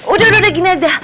udah udah gini aja